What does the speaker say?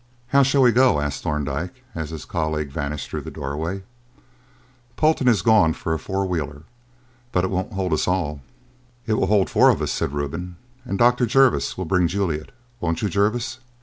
"How shall we go?" asked Thorndyke, as his colleague vanished through the doorway. "Polton has gone for a four wheeler, but it won't hold us all." "It will hold four of us," said Reuben, "and Dr. Jervis will bring Juliet; won't you, Jervis?"